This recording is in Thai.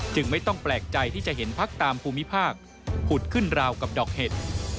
ไม่ต้องแปลกใจที่จะเห็นพักตามภูมิภาคผุดขึ้นราวกับดอกเห็ด